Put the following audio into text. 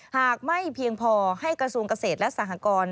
หากไม่เพียงพอให้กระทรวงเกษตรและสหกร